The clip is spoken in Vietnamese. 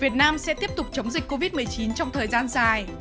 việt nam sẽ tiếp tục chống dịch covid một mươi chín trong thời gian dài